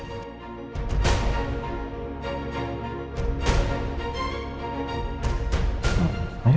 kamu apaan disini